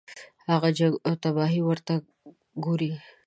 هغه جنګ او تباهي ورته ګوري.